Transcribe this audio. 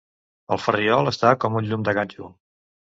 El Ferriol està com un llum de ganxo.